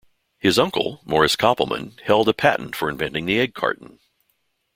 His uncle, Morris Koppelman, held a patent for inventing the Egg carton.